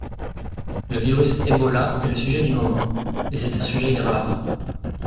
Le virus Ebola est le sujet du moment et c’est un sujet grave.